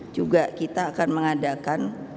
juga kita akan mengadakan